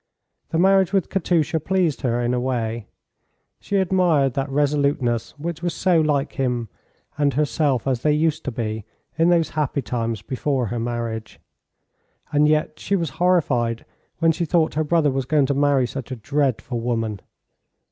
The marriage with Katusha pleased her in a way. She admired that resoluteness which was so like him and herself as they used to be in those happy times before her marriage. And yet she was horrified when she thought her brother was going to marry such a dreadful woman.